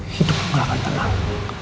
hidup lo akan tenang